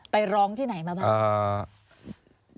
ไปร้องที่ไหนมาบ้าง